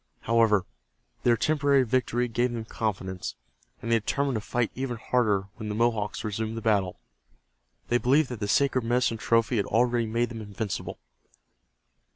However, their temporary victory gave them confidence, and they determined to fight even harder when the Mohawks resumed the battle. They believed that the sacred medicine trophy had already made them invincible.